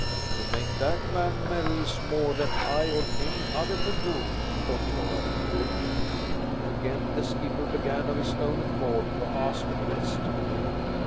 "To make that man merry is more than I or any other can do," thought Torarin. Again the skipper began of his own accord to ask a question.